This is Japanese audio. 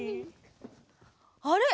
あれ？